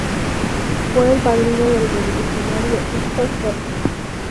Fue el padrino del revolucionario Victor Serge.